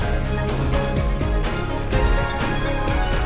terima kasih pak